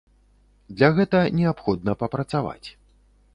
Для гэта неабходна папрацаваць.